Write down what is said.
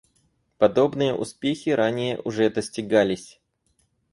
Подобные успехи ранее уже достигались.